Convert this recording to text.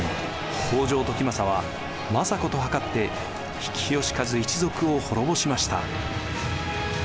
北条時政は政子と謀って比企能員一族を滅ぼしました。